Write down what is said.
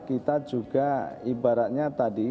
kita juga ibaratnya tadi